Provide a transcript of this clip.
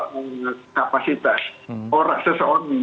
tentu ada prinsip yang harus dipahami berbeda